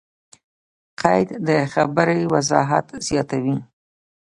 قید؛ د خبري وضاحت زیاتوي.